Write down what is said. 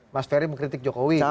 mas ferry mengkritik jokowi